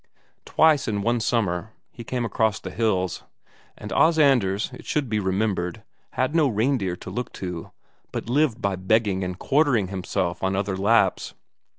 Twice in one summer he came across the hills, and Os Anders, it should be remembered, had no reindeer to look to, but lived by begging and quartering himself on other Lapps.